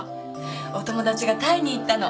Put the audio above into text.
お友達がタイに行ったの。